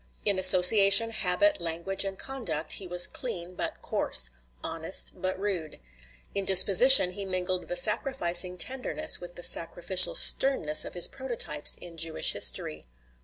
In association, habit, language, and conduct, he was clean, but coarse; honest, but rude. In disposition he mingled the sacrificing tenderness with the sacrificial sternness of his prototypes in Jewish history.